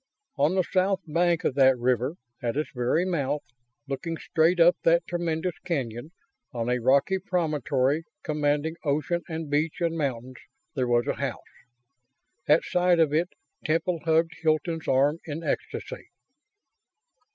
On the south bank of that river, at its very mouth looking straight up that tremendous canyon; on a rocky promontory commanding ocean and beach and mountains there was a house. At the sight of it Temple hugged Hilton's arm in ecstasy.